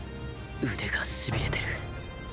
腕がしびれてる。